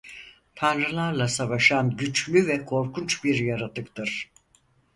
Tanrılarla savaşan güçlü ve korkunç bir yaratıktır.